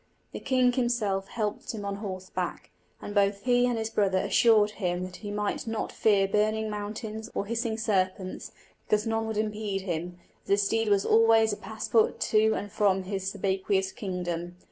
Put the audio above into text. The king himself helped him on horseback, and both he and his brother assured him that he might not fear burning mountains or hissing serpents, because none would impede him, as his steed was always a passport to and from his subaqueous kingdom.